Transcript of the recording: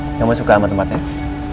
yang paling suka sama tempatnya